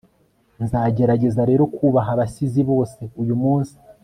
nzagerageza rero kubaha abasizi bose uyumunsi